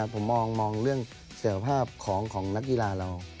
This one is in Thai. ผมมองเรื่องเสร็จภาพของนักกีฬาเรา